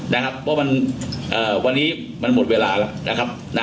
เพราะว่าวันนี้มันหมดเวลาแล้ว